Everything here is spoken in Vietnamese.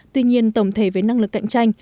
tuy nhiên tổng thể với năng lực cạnh tranh